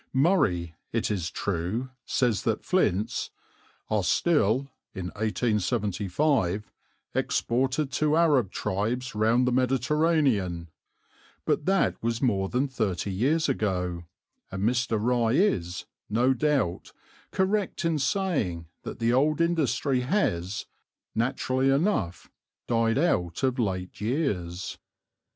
"Murray," it is true, says that flints "are still (1875) exported to Arab tribes round the Mediterranean," but that was more than thirty years ago, and Mr. Rye is, no doubt, correct in saying that the old industry has, naturally enough, died out of late years.